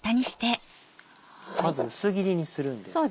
まず薄切りにするんですね。